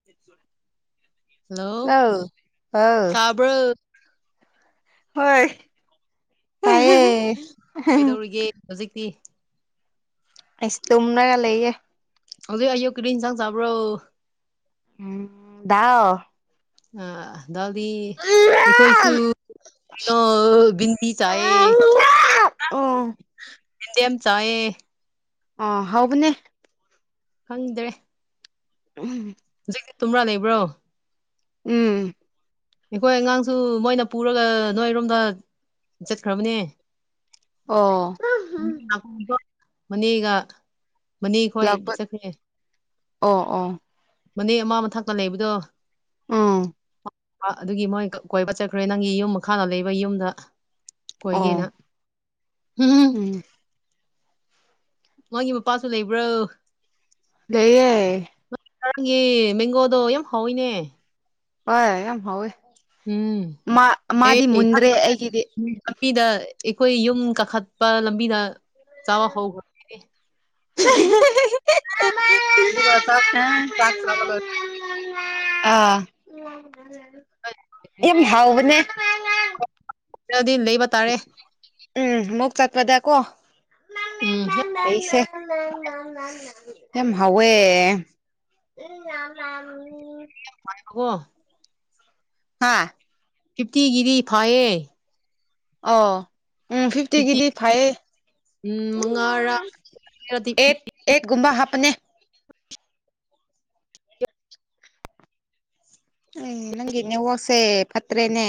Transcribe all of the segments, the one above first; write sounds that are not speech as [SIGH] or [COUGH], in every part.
[UNINTELLIGIBLE] Hello ꯇꯥꯕ꯭ꯔꯣ ꯍꯣꯏ ꯀꯩꯗꯧꯔꯤꯒꯦ ꯍꯧꯖꯤꯛꯇꯤ? ꯑꯩꯁ ꯇꯨꯝꯔꯒ ꯂꯩꯌꯦ꯫ ꯍꯧꯖꯤꯛ ꯑꯌꯨꯛ ꯀꯔꯤ ꯏꯟꯁꯥꯡ ꯆꯥꯕ꯭ꯔꯣ? ꯎꯝ ꯗꯥꯜ ꯑ ꯗꯥꯜꯗꯤ ꯑꯩꯈꯣꯏꯁꯨ ꯀꯩꯅꯣ ꯕꯤꯟꯗꯤ ꯆꯥꯏꯌꯦ꯫ ꯑꯣ ꯌꯦꯟꯗꯦꯝ ꯆꯥꯌꯦ ꯑ ꯍꯥꯎꯕꯅꯦ ꯈꯪꯗ꯭ꯔꯦ [UNINTELLIGIBLE] ꯍꯨꯖꯤꯛꯇꯤ ꯇꯨꯝꯔꯥ ꯂꯩꯕ꯭ꯔꯣ? ꯎꯝ ꯑꯩꯈꯣꯏ ꯑꯉꯥꯡꯁꯨ ꯃꯣꯏꯅ ꯄꯨꯔꯒ ꯅꯣꯏꯔꯣꯝꯗ ꯆꯠꯈ꯭ꯔꯕꯅꯦ꯫ ꯑꯣ [UNINTELLIGIBLE] ꯃꯅꯦꯒ ꯃꯅꯦ ꯈꯣꯏ ꯂꯥꯛꯄ ꯆꯠꯈ꯭ꯔꯦ ꯑꯣ ꯑꯣ ꯃꯅꯦ ꯑꯃ ꯃꯊꯛꯇ ꯂꯩꯕꯗꯣ ꯎꯝ ꯑꯥ ꯑꯗꯨꯒꯤ ꯃꯣꯏ ꯀꯣꯏꯕ ꯆꯠꯈ꯭ꯔꯦ ꯅꯪꯒꯤ ꯌꯨꯝ ꯃꯈꯥꯗ ꯂꯩꯕ ꯌꯨꯝꯗ ꯑꯣ ꯀꯣꯏꯒꯦꯅ ꯎꯝ ꯃꯥꯒꯤ ꯃꯄꯥꯁꯨ ꯂꯩꯕ꯭ꯔꯣ? ꯂꯩꯌꯦ ꯅꯪ ꯅꯪꯒꯤ ꯃꯦꯡꯒꯣꯗꯣ ꯌꯥꯝ ꯍꯥꯎꯋꯤꯅꯦ꯫ ꯍꯣꯏ ꯌꯥꯝ ꯍꯥꯎꯋꯦ ꯎꯝ ꯃꯥ ꯑꯦ ꯃꯥꯗꯤ ꯃꯨꯟꯗ꯭ꯔꯦ ꯑꯩꯒꯤꯗꯤ ꯂꯝꯕꯤꯗ ꯑꯩꯈꯣꯏ ꯌꯨꯝ ꯀꯥꯈꯠꯄ ꯂꯝꯕꯤꯗ ꯆꯥꯕ ꯍꯧꯈ꯭ꯔꯝꯅꯤꯅꯦ ꯑꯗꯨꯒ ꯆꯥꯛ ꯆꯥꯛꯆꯥꯕ ꯂꯣꯏ ꯑꯥ ꯌꯥꯝ ꯂꯣꯏꯔꯗꯤ ꯍꯥꯎꯕꯅꯦ ꯗꯤ ꯂꯩꯕ ꯇꯥꯔꯦ ꯎꯝ ꯃꯨꯛ ꯆꯠꯄꯗ ꯀꯣ ꯎꯝ ꯂꯩꯁꯦ ꯌꯥꯝ ꯍꯥꯎꯋꯦ [UNINTELLIGIBLE] [UNINTELLIGIBLE] ꯀꯣ ꯍꯥ ꯐꯤꯞꯇꯤꯒꯤꯗꯤ ꯐꯥꯏꯌꯦ ꯑꯧ ꯎꯝ ꯐꯤꯐꯇꯤ ꯐꯤꯐꯇꯤꯒꯤꯗꯤ ꯐꯥꯏꯌꯦ ꯎꯝ ꯃꯉꯥꯔꯥ ꯔꯗꯤ ꯄꯤ ꯑꯩꯠ ꯑꯦꯠ ꯒꯨꯝꯕꯥ ꯍꯥꯞꯄꯅꯦ ꯑꯦ ꯅꯪꯒꯤ ꯅꯦꯋꯥꯛꯁꯦ ꯐꯠꯇ꯭ꯔꯦꯅꯦ꯫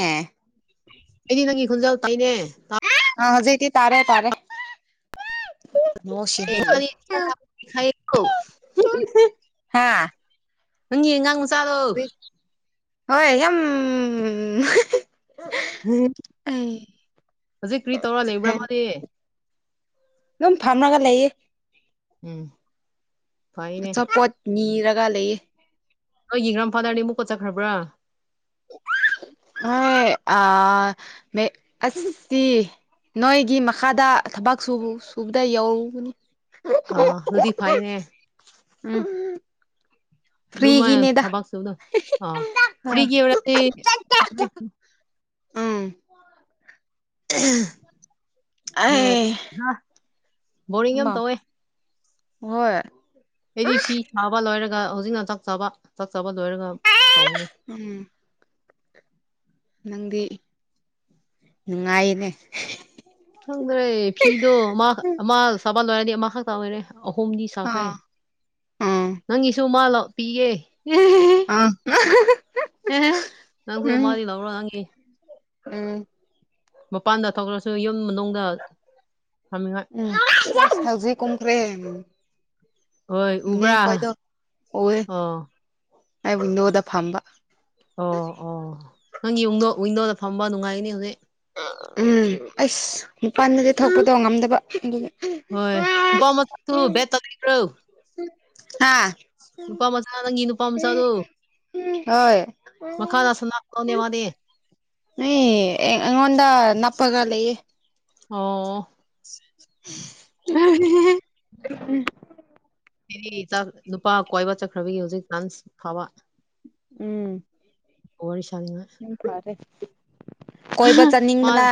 ꯑꯩꯗꯤ ꯅꯪꯒꯤ ꯈꯣꯟꯖꯦꯜ ꯇꯥꯏꯅꯦ꯫ ꯑ ꯍꯧꯖꯤꯛꯇꯤ ꯇꯥꯔꯦ ꯇꯥꯔꯦ꯫ [UNINTELLIGIBLE] ꯍꯥꯥ ꯅꯪꯒꯤ ꯑꯉꯥꯡ ꯃꯆꯥꯗꯣ ꯍꯣꯏ ꯌꯥꯝ ꯑꯩ ꯍꯧꯖꯤꯛ ꯀ꯭ꯔꯤ ꯇꯧꯔ ꯂꯩꯕ꯭ꯔꯥ ꯃꯥꯗꯤ? ꯗꯨꯝ ꯐꯝꯔꯒ ꯂꯩꯌꯦ꯫ ꯎꯝ ꯐꯩꯅꯦ ꯑꯆꯥꯄꯣꯠ ꯅꯤꯔꯒ ꯂꯩꯌꯦ꯫ ꯅꯣꯏꯒꯤ ꯒꯥꯔꯟꯐꯥꯗꯔꯗꯤ ꯑꯃꯨꯛꯀ ꯆꯠꯈ꯭ꯔꯕꯔꯥ? ꯍꯣꯏ ꯑꯥ ꯃꯦ ꯑꯁꯇꯤ ꯅꯣꯏꯒꯤ ꯃꯈꯥꯗ ꯊꯕꯛ ꯁꯨ ꯁꯨꯕꯗ ꯌꯧꯕꯅꯤ ꯑꯥ ꯑꯗꯨꯗꯤ ꯐꯩꯅꯦ ꯎꯝ ꯑꯗꯨꯃꯥꯏ ꯐ꯭ꯔꯤꯒꯤꯅꯦꯗ ꯊꯕꯛ ꯁꯨꯕꯗꯨ ꯑꯥ ꯍꯥ ꯐ꯭ꯔꯤꯒꯤ ꯑꯣꯏꯔꯗꯤ ꯎꯝ ꯑꯩ [UNINTELLIGIBLE] ꯕꯣꯔꯤꯡ ꯌꯥꯝ ꯃꯝ ꯇꯧꯋꯦ ꯍꯣꯏ ꯑꯩꯗꯤ ꯐꯤ ꯁꯥꯕ ꯂꯣꯏꯔꯒ ꯍꯧꯖꯤꯛꯅ ꯆꯥꯛ ꯆꯥꯕ ꯆꯥꯛ ꯆꯥꯕ ꯂꯣꯏꯔꯒ ꯇꯧꯅꯤ꯫ ꯎꯝ ꯅꯪꯗꯤ ꯅꯨꯡꯉꯥꯏꯌꯦꯅꯦ ꯈꯪꯗ꯭ꯔꯦ ꯐꯤꯗꯣ ꯑꯃ ꯑꯃ ꯁꯥꯕ ꯂꯣꯏꯔꯗꯤ ꯑꯃꯈꯛꯇ ꯑꯣꯏꯔꯦ ꯑꯍꯨꯝꯗꯤ ꯁꯥꯈ꯭ꯔꯦ ꯑꯥ ꯎꯝ ꯅꯪꯒꯤꯁꯨ ꯃꯥ ꯂꯧ ꯄꯤꯒꯦ ꯑꯥ ꯅꯪꯁꯨ ꯎꯝ ꯑꯃꯗꯤ ꯂꯧꯔꯣ ꯅꯪꯒꯤ ꯎꯝ ꯃꯄꯥꯟꯗ ꯊꯣꯛꯂꯁꯨ ꯌꯨꯝ ꯃꯅꯨꯡꯗ ꯊꯝꯅꯤꯉꯥꯏ ꯎꯝ ꯍꯧꯖꯤꯛ ꯀꯨꯝꯈ꯭ꯔꯦ ꯍꯣꯏ ꯅꯦ ꯎꯕ꯭ꯔꯥ ꯈꯣꯏꯗꯣ ꯎꯌꯦ ꯑꯣ ꯑꯩ ꯋꯤꯟꯗꯣꯗ ꯐꯝꯕ ꯑꯣ ꯑꯣ ꯅꯪꯒꯤ ꯌꯨꯝꯗꯣ ꯋꯤꯟꯗꯣꯗ ꯐꯝꯕ ꯅꯨꯡꯉꯥꯏꯒꯅꯤ ꯍꯧꯖꯤꯛ꯫ ꯎꯝ ꯑꯁ ꯃꯄꯥꯥꯟꯗꯗꯤ ꯊꯣꯛꯄꯗꯣ ꯉꯝꯗꯕ ꯑꯗꯨꯒꯤ ꯍꯣꯏ [UNINTELLIGIBLE] ꯕꯦꯗꯇ ꯂꯩꯕ꯭ꯔꯣ ꯍꯥꯥ ꯅꯨꯄꯥ ꯃꯆꯥꯥ ꯅꯪꯒꯤ ꯅꯨꯄꯥ ꯃꯆꯥꯥꯗꯣ ꯍꯣꯏ ꯁꯅꯥꯒꯗꯧꯅꯦ ꯃꯥꯗꯤ ꯅꯦ ꯑꯩꯉꯣꯟꯗ ꯅꯞꯄꯒ ꯂꯩꯌꯦ ꯑꯣ [UNINTELLIGIBLE] [UNINTELLIGIBLE] [UNINTELLIGIBLE] ꯅꯨꯄꯥ ꯀꯣꯏꯕ ꯆꯠꯈ꯭ꯔꯕꯒꯤ ꯍꯧꯖꯤꯛ [UNINTELLIGIBLE] ꯐꯕ ꯎꯝ ꯋꯥꯔꯤ ꯁꯥꯅꯤꯉꯥꯏ ꯐꯔꯦ ꯀꯣꯏꯕ ꯃꯥ ꯆꯠꯅꯤꯡꯕꯅ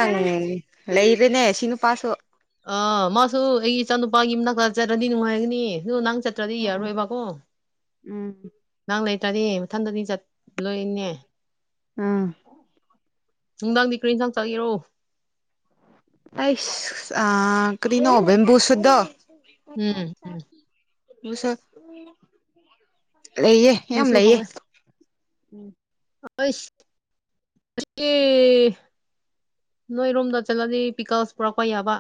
ꯂꯩꯔꯦꯅꯦ ꯁꯤ ꯅꯨꯄꯥꯁꯨ ꯑꯥ ꯃꯥꯁꯨ ꯑꯩꯒꯤ ꯏꯆꯥ ꯅꯨꯄꯥꯒꯤ ꯃꯅꯥꯛ ꯆꯠꯔꯗꯤ ꯅꯨꯡꯉꯥꯏꯒꯅꯤ ꯅꯪ ꯆꯠ ꯇ꯭ꯔꯗꯤ ꯎꯝ ꯌꯥꯔꯣꯏꯕꯀꯣ ꯎꯝ ꯅꯪ ꯂꯩꯇ꯭ꯔꯗꯤ ꯃꯊꯟꯗꯗꯤ ꯆꯠꯂꯣꯏꯅꯦ ꯑꯥ ꯅꯨꯡꯗꯥꯡꯗꯤ ꯀ꯭ꯔꯤ ꯏꯟꯁꯥꯡ ꯆꯥꯒꯦꯔꯣ? ꯑꯩꯁ ꯑꯥ ꯀꯔꯤꯅꯣ ꯕꯦꯝꯕꯨ ꯁꯨꯠꯗꯣ ꯎꯝ ꯎꯝ ꯕꯨ ꯁꯨꯠ ꯂꯩꯌꯦ꯫ ꯌꯥꯝ ꯑꯗꯨꯁꯨ ꯂꯩꯌꯦ ꯍꯧꯋꯦ ꯎꯝ ꯑꯩꯁ꯫ [UNINTELLIGIBLE] ꯅꯣꯏ ꯔꯣꯝꯗ ꯆꯠꯂꯗꯤ ꯄꯤꯀꯜꯁ ꯄꯨꯔꯛꯄ ꯌꯥꯕ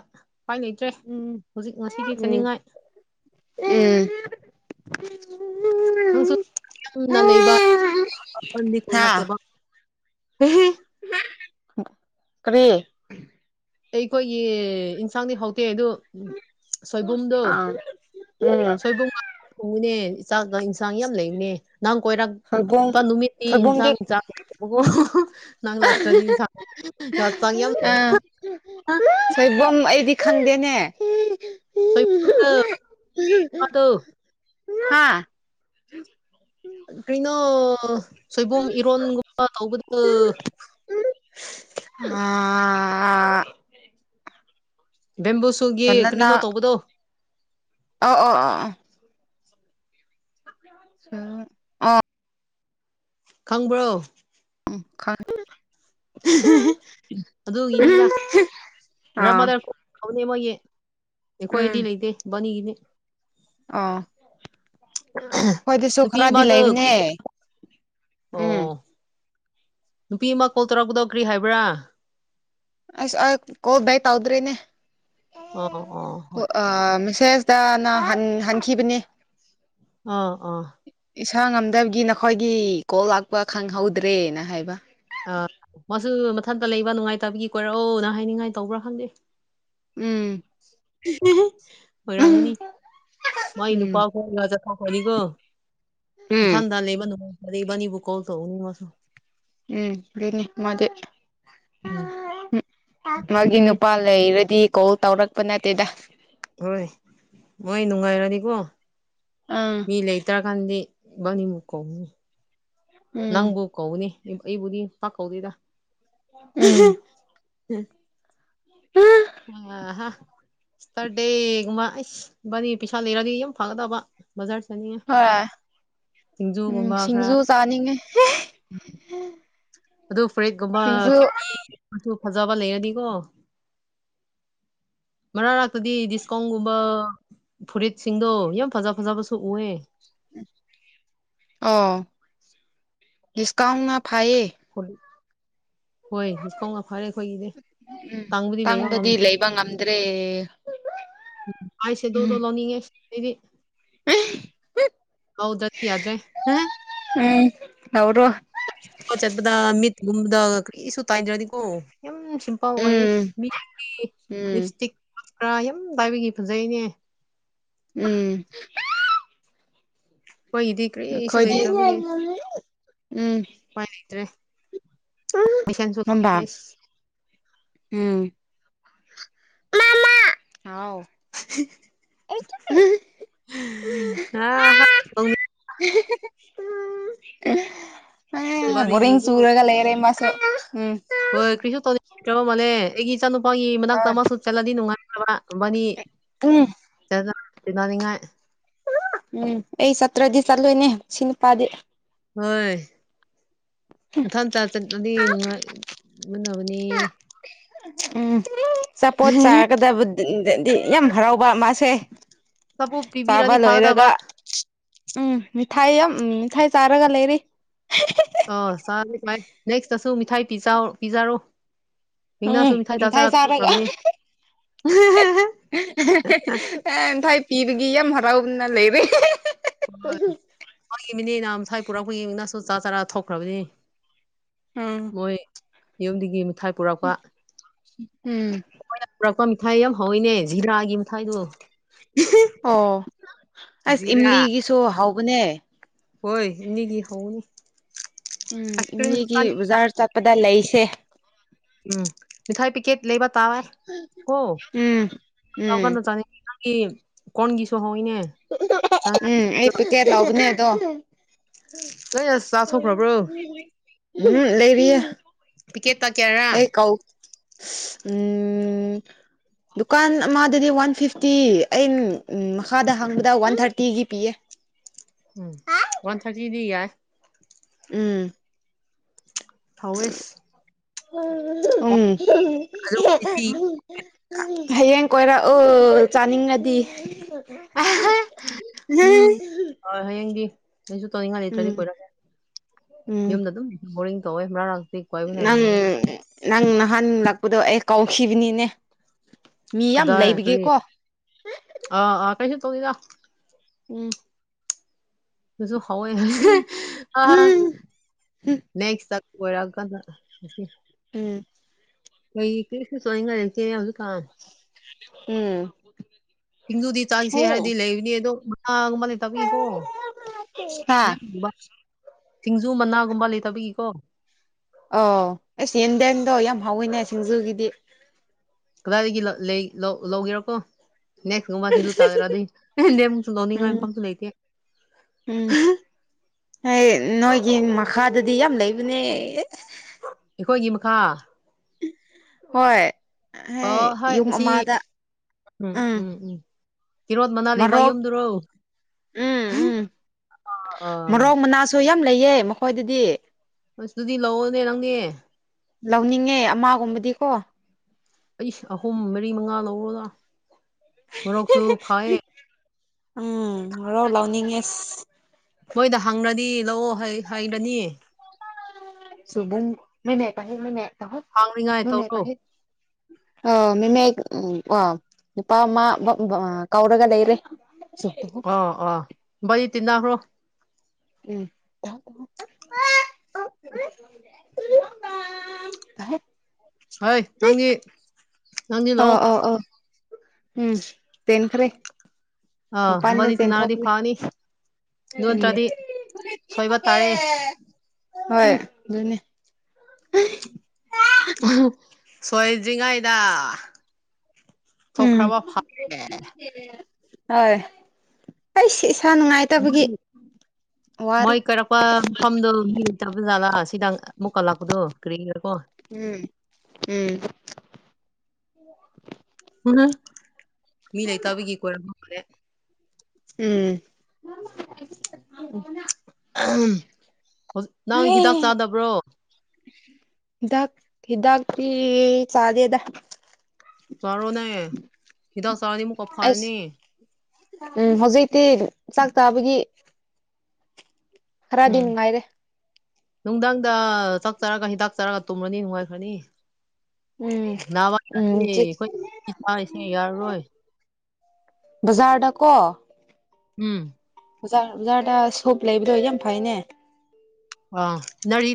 ꯄꯥꯏ ꯂꯩ ꯎꯝ [UNINTELLIGIBLE] ꯎꯝ ꯎꯝ꯫ ꯅꯪꯁꯨ ꯌꯥꯝꯅ ꯂꯩꯕ [INAUDIBLE] ꯀꯣꯏꯗꯤ ꯍꯥ ꯀꯣꯏꯔꯛꯇꯕ꯫ [UNINTELLIGIBLE] [UNINTELLIGIBLE] ꯀꯔꯤ꯫ ꯑꯩꯈꯣꯏꯒꯤ ꯏꯟꯁꯥꯡꯗꯤ ꯍꯥꯎꯇꯦ ꯑꯗꯨ ꯁꯣꯏꯕꯨꯝꯗꯣ ꯑꯥ ꯎꯝ ꯁꯣꯏꯕꯨꯝ ꯉꯥ ꯇꯣꯡꯒꯣꯅꯦ ꯆꯥꯛꯒ ꯏꯟꯁꯥꯡ ꯌꯥꯝ ꯂꯩꯕꯅꯦ꯫ ꯅꯪ ꯀꯣꯏꯔꯛ ꯁꯣꯏꯕꯨꯝ ꯄ ꯅꯨꯃꯤꯠꯅꯤ ꯁꯣꯏꯕꯨꯝꯗꯤ ꯏꯟꯁꯥꯡ ꯆꯥꯛ ꯂꯩꯇꯕꯀꫭ꯫ [UNINTELLIGIBLE] ꯅꯪ ꯂꯥꯛꯇ꯭ꯔꯅꯤ ꯏꯟꯁꯥꯡ ꯒ ꯆꯥꯡ ꯌꯥꯝ ꯂꯩ꯫ [UNINTELLIGIBLE] ꯁꯣꯏꯕꯣꯝ ꯑꯩꯗꯤ ꯈꯪꯗꯦꯅꯦ꯫ ꯁꯣꯏꯗꯣ [INAUDIBLE] [UNINTELLIGIBLE] ꯀ꯭ꯔꯤꯅꯣ ꯁꯣꯏꯕꯨꯝ ꯏꯔꯣꯟꯒꯨꯝꯕ ꯇꯧꯕꯗꫭ꯫ [UNINTELLIGIBLE] ꯕꯦꯝꯕꯨꯁꯨ ꯕꯥꯅꯥꯅꯥ ꯑꯣ ꯑꯣ ꯑꯣ꯫ [UNINTELLIGIBLE] ꯈꯪꯕ꯭ꯔꯣ꯫ ꯎꯝ ꯈꯪꯉꯦ꯫ [UNINTELLIGIBLE] ꯈꯪꯉꯦ ꯑꯗꯨꯒꯤꯅꯤꯗ ꯑꯥ ꯒ꯭ꯔꯃꯗꯔ ꯀꯧꯕꯅꯤ ꯃꯣꯏꯒꯤ꯫ ꯑꯩꯈꯣꯏꯗꯤ ꯂꯩꯇꯦ ꯏꯕꯅꯤꯒꯤꯅꯦ꯫ ꯑꫭ꯫ ꯈꯣꯏꯗꯁꯨ ꯅꯨꯄꯤ ꯈꯔꯗꯤ ꯑꯃꯗꯣ ꯂꯩꯕꯅꯦ ꯑꯣ ꯎꯝ꯫ ꯅꯨꯄꯤ ꯑꯃ ꯀꯣꯜ ꯇꯧꯔꯛꯄꯗꯣ ꯀ꯭ꯔꯤ ꯍꯥꯏꯕ꯭ꯔꯥ꯫ ꯑꯁ ꯑꯩ ꯀꯣꯜ ꯕꯦꯛ ꯇꯧꯗ꯭ꯔꯤꯅꯦ꯫ ꯑꯣ ꯑꯣ ꯍꯣꯢ꯫ ꯑ ꯃꯦꯁꯦꯁꯇꯅ ꯍꯟ ꯍꯟꯈꯤꯕꯅꯤ꯫ ꯑꫭ ꯑꫭ꯫ ꯏꯁꯥ ꯉꯝꯗꯕꯒꯤ ꯅꯈꯣꯏꯒꯤ ꯀꯣꯜ ꯂꯥꯛꯄ ꯈꯪꯍꯧꯗ꯭ꯔꯦꯅ ꯍꯥꯏꯕ꯫ ꯑ ꯃꯁꯨ ꯃꯊꯟꯇ ꯂꯩꯕ ꯅꯨꯡꯉꯥꯏꯇꯕꯒꯤ ꯀꯣꯏꯔꯛꯑꯣꯅ ꯍꯥꯏꯅꯤꯡꯉꯥꯏ ꯇꯧꯕ꯭ꯔꯥ ꯈꯪꯗꯦ꯫ ꯎꯝ꯫ [INAUDIBLE] ꯑꯣꯢꯔꯝꯒꯅꯤ ꯃꯒꯤ ꯎꯝ ꯅꯨꯄꯥ ꯈꯣꯢꯒ ꯆꯠꯊꯣꯈꯔꯅꯤꯀꯣ꯫ ꯎꯝ ꯐꯝꯄꯥꯟꯗ ꯂꯩꯕꯅ [INAUDIBLE] ꯢꯅꯤꯕꯨ ꯀꯣꯜ ꯇꯧꯕꯅꯤ ꯃꯁꯨ꯫ ꯎꯝ ꯗꯨꯅꯤ ꯃꯥꯗꯤ ꯎꯝ ꯃꯤ ꯃꯥꯒꯤ ꯅꯨꯄꯥ ꯂ ꯂꯩꯔꯗꯤ ꯀꯣꯜ ꯇꯧꯔꯛꯄ ꯅꯠꯇꯦꯗ꯫ ꯍꯣꯏ ꯃꯣꯏ ꯅꯨꯡꯉꯥꯏꯔꯅꯤꯀꯣ꯫ ꯑꯥ꯫ ꯃꯤ ꯂꯩꯇ꯭ꯔ ꯀꯥꯟꯗꯤ ꯢꯕꯅꯤꯕꯨ ꯀꯧꯅꯤ ꯎꯝ ꯅꯪꯕꯨ ꯀꯧꯒꯅꯤ ꯑꯩꯕꯨꯗꯤ ꯄꯥꯛ ꯀꯧꯗꯦꯗ꯫ ꯎꯝ꯫ [UNINTELLIGIBLE] [UNINTELLIGIBLE] ꯑ ꯍꯥ ꯁꯇꯔꯗꯦꯒꯨꯝꯕ ꯑꯩꯁ ꯏꯕꯥꯅꯤ ꯄꯩꯁꯥ ꯂꯩꯔꯗꯤ ꯌꯥꯝ ꯐꯒꯗꯕ ꯕꯖꯥꯔ ꯆꯅꯤꯉꯦ ꯍꯣꯏ ꯎꯝ ꯈꯔ ꯁꯤꯡꯖꯨ ꯆꯥꯅꯤꯡꯉꯦ [UNINTELLIGIBLE] ꯑꯗꯨ ꯐꯨꯔꯤꯠꯀꯨꯝꯕ ꯁꯤꯡꯖꯨ ꯐꯤꯐꯇꯤ ꯃꯆꯨ ꯐꯖꯕ ꯂꯩꯔꯗꯤꯀꯣ ꯃꯔꯛ ꯔꯛꯇꯗꯤ ꯗꯤꯁꯄꯣ ꯒꯨꯝꯕ ꯐꯨꯔꯤꯠꯁꯤꯡꯗꯣ ꯌꯥꯝ ꯐꯖ ꯐꯖꯕꯁꯨ ꯎꯑꯦ ꯑꯥꯎ ꯗꯤꯁꯀꯥꯎꯟꯅ ꯐꯩꯌꯦ ꯍꯣꯏ ꯗꯤꯁꯀꯥꯎꯅ ꯐꯔꯦ ꯑꯩꯈꯣꯏꯒꯤꯗꯤ ꯇꯥꯡꯕꯗꯤ ꯂꯩꯕ ꯉꯝ ꯂꯩꯕ ꯉꯝ ꯗ꯭ꯔꯦ ꯑꯥꯢꯁꯦꯗꯣꯗꯣ ꯂꯧꯅꯤꯡꯉꯦ ꯑꯩꯗꯤ ꯂꯧꯗ꯭ꯔꯗꯤ ꯌꯥꯗ꯭ꯔꯦ [UNINTELLIGIBLE] ꯎꯝ ꯂꯧꯔꯣ ꯄ ꯆꯠꯄꯗ ꯃꯤꯠꯒꯨꯝꯕꯗ ꯀꯔꯤꯁꯨ ꯇꯥꯏꯗ꯭ꯔꯗꯤꯀꯣ ꯌꯥꯝ ꯁꯤꯝ ꯄꯥ ꯑꯣꯏꯌꯦ ꯎꯝ ꯃꯤꯒꯤꯗꯤ ꯎꯝ ꯂꯤꯞꯁꯇꯤꯛ ꯈ꯭ꯔꯥ ꯌꯥꯝ ꯄꯥꯏꯕꯒꯤ ꯐꯖꯩꯅꯦ ꯎꯝ ꯑꯈꯣꯏꯒꯤꯗꯤ ꯀ꯭ꯔꯤꯁꯨ ꯑꯩꯈꯣꯏꯗꯤ ꯂꯩꯇ꯭ꯔꯕꯒꯤ ꯎꯝ ꯎꯄꯥꯏ ꯂꯩꯇ꯭ꯔꯦ [UNINTELLIGIBLE] ꯇꯧꯅꯤꯡꯉꯦ ꯃꯝꯕꯥ ꯍꯩꯁ ꯎꯝ ꯃꯃꯥ ꯍꯥꯎ ꯑ ꯍꯥ [UNINTELLIGIBLE] ꯑꯦ ꯕꯣꯔꯤꯡ ꯏꯕꯥꯅꯤꯒꯤꯀꯣ ꯆꯨꯔꯒ ꯂꯩꯔꯦ ꯃꯥꯁꯨ ꯎꯝ ꯍꯣꯏ ꯀꯔꯤ ꯇꯧꯗꯦ [UNINTELLIGIBLE] ꯃꯅꯦ ꯑꯩꯒꯤ ꯏꯆꯥꯅꯨꯄꯥꯒꯤ ꯃꯅꯥꯛꯇ ꯑꯃ ꯁꯨ ꯆꯠꯂꯗꯤ ꯅꯨꯡꯉꯥꯏꯇ꯭ꯔꯕ ꯃꯕꯥꯅꯤ ꯎꯝ ꯇꯦꯗ ꯇꯤꯅꯅꯤꯡꯉꯥꯏ ꯎꯝ ꯑꯩ ꯆꯠꯇ꯭ꯔꯗꯤ ꯆꯠꯂꯣꯏꯅꯦ ꯁꯤ ꯅꯨꯄꯥꯗꯤ ꯍꯣꯏ ꯃꯊꯟꯗ ꯆꯠꯂꯗꯤ ꯅꯨꯡꯉꯥꯏꯒꯗꯕꯅꯤ ꯎꯝ ꯑꯆꯥꯄꯣꯠ ꯆꯥꯒꯔꯒꯗꯕꯗꯗꯤ ꯌꯥꯝ ꯍꯔꯥꯎꯕ ꯃꯥꯁꯦ ꯆꯐꯨ ꯄꯥꯕ ꯄꯤꯕꯤꯔꯗꯤ ꯐꯒꯗꯕ ꯂꯣꯏꯔꯒ ꯎꯝ ꯃꯤꯊꯥꯏ ꯑꯃ ꯎꯝ ꯃꯤꯊꯥꯏ ꯆꯥꯔꯒ ꯂꯩꯔꯤ ꯑ ꯆꯥ ꯅꯤꯡꯉꯥꯏ ꯅꯦꯛꯁꯇꯁꯨ ꯃꯤꯊꯥꯏ ꯄꯤꯖ ꯄꯤꯖꯥꯔꯣ ꯎꯝ ꯃꯤꯡꯅꯥꯁꯨ ꯃꯤꯊꯥꯏ ꯆꯥꯔꯒ [UNINTELLIGIBLE] ꯑꯦ ꯃꯤꯊꯥꯏ ꯄꯤꯕꯒꯤ ꯌꯥꯝ ꯍꯔꯥꯎꯅ ꯂꯩꯕꯒꯤ ꯍꯥꯏ ꯒꯤ ꯃꯤꯅꯤꯅ ꯉꯁꯥꯏ ꯄꯨꯔꯛꯄ ꯌꯦꯡꯅꯁꯨ ꯆꯥ ꯆꯔꯥ ꯊꯣꯛꯈ꯭ꯔꯕꯅꯤ ꯎꯝ ꯃꯣꯏ ꯌꯨꯝꯗꯒꯤ ꯃꯤꯊꯥꯏ ꯄꯨꯔꯛꯄ ꯎꯝ ꯃꯣꯏꯅ ꯄꯨꯔꯛꯄ ꯃꯤꯊꯥꯏ ꯌꯥꯝ ꯍꯥꯎꯋꯤꯅꯦ ꯖꯤꯔꯥꯒꯤ ꯃꯤꯊꯥꯏꯗꯣ ꯑꯣ ꯑꯁ ꯖꯤꯔꯥ ꯏꯝꯂꯤꯒꯤꯁꯨ ꯍꯥꯎꯕꯅꯦ ꯍꯣꯏ ꯏꯝꯂꯤꯒꯤ ꯍꯥꯎꯕꯅꯤ ꯎꯝ ꯏꯝꯂꯤꯒꯤ ꯕꯖꯥꯔ ꯆꯠꯄꯗ ꯂꯩꯁꯦ ꯎꯝ ꯃꯤꯊꯥꯏ ꯄꯤꯀꯦꯠ ꯂꯩꯕ ꯇꯥꯔꯦ ꯀꯣ ꯎꯝ ꯎꯝ [UNINTELLIGIBLE] ꯆꯥꯅꯤꯡꯉꯤ ꯅꯪꯒꯤ ꯀꯣꯟꯒꯤꯁꯨ ꯍꯥꯎꯏꯅꯦ ꯎꯝ ꯑꯩ ꯄꯤꯀꯦꯠ ꯇꯥꯎꯕꯅꯦ ꯑꯗꯣ ꯂꯣꯏꯅ ꯆꯥꯊꯣꯛꯈ꯭ꯔꯕ꯭ꯔꯣ? ꯎꯝ ꯂꯩꯔꯤꯌꯦ ꯄꯤꯀꯦꯠꯇ ꯀꯌꯥꯔꯥ? ꯑꯩ ꯀꯥꯎ [UNINTELLIGIBLE] [UNINTELLIGIBLE] ꯗꯨꯀꯥꯟ ꯑꯃꯗꯗꯤ ꯋꯥꯟ ꯐꯤꯐꯇꯤ ꯑꯩ ꯃꯈꯥꯗ ꯍꯪꯕꯗ ꯋꯥꯟ ꯊꯥꯔꯇꯤꯒꯤ ꯄꯤꯌꯦ꯫ ꯎꯝ ꯋꯥꯟ ꯊꯔꯇꯤꯗꯤ ꯌꯥꯏ꯫ ꯎꯝ ꯍꯧꯋꯦꯁ [UNINTELLIGIBLE] ꯎꯝ ꯍꯌꯦꯡ ꯀꯣꯏꯔꯛꯑꯣ ꯆꯥꯅꯤꯡꯉꯗꯤ ꯑꯍꯥ ꯎꯝ ꯍꯣꯏ ꯍꯌꯦꯡꯗꯤ ꯀꯩꯁꯨ ꯇꯧꯅꯤꯡꯉꯥꯏ ꯂꯩꯇ꯭ꯔꯗꯤ ꯎꯝ ꯀꯣꯏꯔꯛꯒꯦ꯫ ꯎꯝ ꯌꯨꯝꯗ ꯑꯗꯨꯝ ꯕꯣꯔꯤꯡ ꯇꯧꯋꯦ [UNINTELLIGIBLE] ꯅꯪ ꯅꯨꯡꯉꯥꯏꯌꯦ ꯅꯪ ꯅꯍꯥꯟ ꯂꯥꯛꯄꯗꯣ ꯑꯩ ꯀꯥꯎꯈꯤꯕꯅꯤꯅꯦ꯫ ꯃꯤ ꯌꯥꯝ ꯀꯗꯥꯏ ꯀ꯭ꯔꯤ ꯂꯩꯕꯒꯤꯀꯣ ꯑꯥ ꯑꯥ ꯀꯩꯁꯨ ꯇꯧꯗꯦꯗ꯫ ꯎꯝ ꯁꯨ ꯍꯥꯎꯋꯦ ꯎꯝ ꯑ ꯎꯝ ꯎꯝ ꯅꯦꯛꯁꯇ ꯑꯣꯏꯔꯀꯥꯟꯗ ꯑꯁꯤ ꯎꯝ [UNINTELLIGIBLE] ꯂꯩꯇꯦ ꯍꯧꯖꯤꯛꯀꯥꯟ ꯎꯝ ꯏꯟꯗꯨꯗꯤ ꯆꯪꯁꯦ ꯍꯣ ꯍꯥꯏꯔꯗꯤ ꯂꯩꯒꯅꯤ ꯑꯗꯣ [UNINTELLIGIBLE] ꯂꯩꯇꯕꯒꯤꯀꯣ ꯍꯥ ꯌꯥꯝ ꯂꯨꯕ ꯁꯤꯡꯖꯨ ꯃꯅꯥꯒꯨꯝꯕ ꯂꯩꯇꯕꯒꯤꯀꯣ ꯑꯣ ꯑꯩꯁ ꯌꯦꯟꯗꯦꯝꯗꯣ ꯌꯥꯝ ꯍꯥꯎꯋꯤꯅꯦ ꯁꯤꯡꯖꯨꯒꯤꯗꯤ ꯀꯗꯥꯏꯗꯒꯤ ꯂ ꯂꯩ ꯂꯧ ꯂꯧꯒꯦꯔꯥ ꯀꯣ ꯅꯦꯛꯁꯀꯨꯝꯕ ꯁꯤꯡꯖꯨ ꯆꯥꯒꯔꯗꯤ ꯌꯦꯟꯗꯦꯝ ꯁꯨ ꯂꯧꯅꯤꯡꯉꯥꯏ ꯎꯝ ꯃꯐꯝꯁꯨ ꯂꯩꯇꯦ꯫ ꯎꯝ ꯍꯩ ꯅꯣꯏꯒꯤ ꯃꯈꯥꯗꯗꯤ ꯌꯥꯝ ꯂꯩꯕꯅꯦ꯫ ꯑꯩꯈꯣꯏꯒꯤ ꯃꯈꯥ ꯍꯣꯏ ꯍꯣꯏ ꯑꯣ ꯌꯨꯝ ꯑꯁꯤ ꯑꯃꯥꯗ ꯎꯝ ꯀꯤꯔꯣꯠ ꯃꯅꯥ ꯂꯩꯕ ꯃꯔꯣꯛ ꯌꯨꯝꯗꯨꯔꯣ ꯎꯝ ꯎꯝ ꯑꯥ ꯃꯔꯣꯛ ꯃꯅꯥꯁꯨ ꯌꯥꯝ ꯂꯩꯌꯦ ꯃꯈꯣꯏꯗꯗꯤ ꯑꯁ ꯑꯗꯨꯗꯤ ꯂꯧꯑꯣꯅꯦ ꯅꯪꯒꯤ ꯂꯧꯅꯤꯡꯉꯦ ꯑꯃꯒꯨꯝꯕꯗꯤꯀꯣ ꯑꯩꯁ ꯑꯍꯨꯝ ꯃꯔꯤ ꯃꯉꯥ ꯂꯧꯔꯣꯗ ꯃꯣꯔꯣꯛꯁꯨ ꯐꯥꯌꯦ ꯎꯝ ꯃꯣꯔꯣꯛ ꯂꯧꯅꯤꯡꯉꯦ ꯑꯁ ꯃꯣꯏꯗ ꯍꯪꯔꯗꯤ ꯂꯧꯑꯣ ꯍꯥꯏ ꯍꯥꯏꯒꯅꯤ ꯁꯣꯏꯕꯨꯝ ꯍꯥꯡꯅꯤꯉꯥꯏ [UNINTELLIGIBLE] [INAUDIBLE] ꯑꯥ ꯃꯤꯅꯠ ꯑꯥ ꯅꯨꯄꯥ ꯑꯃ ꯕ ꯕ ꯑꯥ ꯀꯧꯔꯒ ꯂꯩꯔꯦ꯫ ꯑꯣ ꯑꯣ ꯕꯩ ꯇꯤꯅꯈ꯭ꯔꯣ ꯎꯝ [UNINTELLIGIBLE] ꯑꯧ ꯍꯥꯏ ꯅꯪꯗꯤ ꯅꯪꯗꯤ ꯂꯥꯛꯑꯣ ꯑꯣ ꯑꯣ ꯑꯣ ꯎꯝ ꯄꯦꯟꯈ꯭ꯔꯦ꯫ ꯑꯥ ꯃꯄꯥꯟꯗ ꯃꯕꯥꯅꯤ ꯇꯤꯟꯅꯔꯗꯤ ꯆꯦꯟꯊꯣꯛꯔꯤ ꯐꯅꯤ ꯑꯗꯨ ꯎꯝ ꯅꯠꯇ꯭ꯔꯗꯤ ꯁꯣꯏꯕ ꯇꯥꯔꯦ [UNINTELLIGIBLE] ꯍꯣꯏ ꯎꯝ ꯑꯗꯨꯅꯦ ꯁꯣꯏꯗ꯭ꯔꯤꯉꯥꯢꯗꯥ ꯎꯝ ꯊꯣꯛꯈ꯭ꯔꯕ [UNINTELLIGIBLE] ꯍꯣꯏ [UNINTELLIGIBLE] ꯏꯁꯥ ꯅꯨꯡꯉꯥꯏꯇꯕꯒꯤ ꯋꯥꯔꯤ ꯄ ꯃꯐꯝꯗꯣ ꯃꯤ ꯂꯩꯇꯕ ꯖꯥꯠꯂꯥ ꯁꯤꯗꯪ ꯑꯃꯨꯛꯀ ꯂꯥꯛꯄꯗꯣ ꯀ꯭ꯔꯤꯒꯤꯔꯀꯣ ꯎꯝ ꯎꯝ ꯍꯝꯍꯝ ꯃꯤ ꯂꯩꯇꯕꯒꯤ ꯀꯣꯏꯔꯝꯃꯣꯢ ꯎꯝ [UNINTELLIGIBLE] [UNINTELLIGIBLE] ꯍꯧꯖ ꯅꯪ ꯍꯤꯗꯥꯛ ꯆꯥꯗꯕ꯭ꯔꯣ ꯍꯤꯗꯥꯛ ꯍꯤꯗꯥꯛꯇꯤ ꯆꯥꯗꯦꯗ ꯆꯥꯔꯣꯅꯦ ꯍꯤꯗꯥꯛ ꯆꯥꯔꯗꯤ ꯑꯃꯨꯛꯀ ꯑꯩꯁ ꯐꯔꯅꯤ ꯎꯝ ꯍꯧꯖꯤꯛꯇꯤ ꯆꯥꯛ ꯆꯥꯕꯒꯤ ꯈꯔꯗꯤ ꯎꯝ ꯅꯨꯡꯉꯥꯏꯔꯦ ꯅꯨꯡꯗꯥꯥꯡꯗ ꯆꯥꯛ ꯆꯥꯔꯒ ꯍꯤꯗꯥꯛ ꯆꯥꯔꯒ ꯇꯨꯝꯔꯗꯤ ꯅꯨꯡꯉꯥꯏꯈ꯭ꯔꯅꯤ ꯎꯝ ꯅꯥꯕ ꯌꯥꯗꯦ ꯎꯝ [UNINTELLIGIBLE] ꯌꯥꯔꯔꯣꯏ ꯕꯖꯥꯔꯗ ꯀꯣ ꯎꯝ ꯕꯖꯥꯔ ꯕꯖꯥꯔꯗ ꯁꯣꯞ ꯂꯩꯕꯗꯣ ꯌꯥꯝ ꯐꯩꯌꯦꯅꯦ ꯑꯥ ꯅꯔꯤ